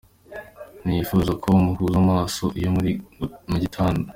Ntiyifuza ko muhuza amaso iyo muri mu gitanda.